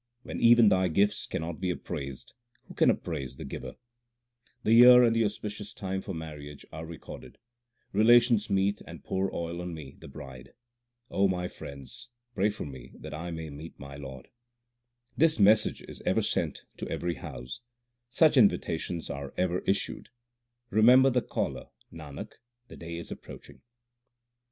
When even Thy gifts cannot be appraised, who can ap praise the Giver ? The year and the auspicious time for marriage are re corded ; relations meet and pour oil on me the bride. O my friends, pray for me that I may meet my Lord. This message is ever sent to every house : such invitations are ever issued. Remember the Caller ; Nanak, the day is approaching.